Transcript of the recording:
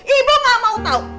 ibu gak mau tau